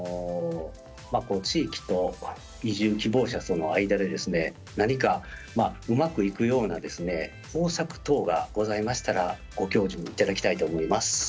地域と移住希望者との間で何かうまくいくような方策等がございましたらご教授いただきたいと思います。